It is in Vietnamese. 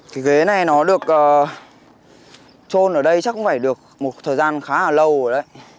thì ghế này nó được trôn ở đây chắc cũng phải được một thời gian khá là lâu rồi đấy